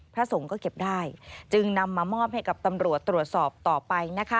พระสงฆ์ก็เก็บได้จึงนำมามอบให้กับตำรวจตรวจสอบต่อไปนะคะ